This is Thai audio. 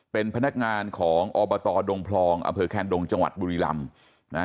เป็นพนักงานของอบตดงพลองอำเภอแคนดงจังหวัดบุรีรำนะฮะ